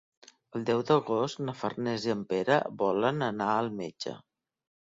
El deu d'agost na Farners i en Pere volen anar al metge.